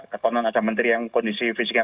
terkonon ada menteri yang kondisi fisiknya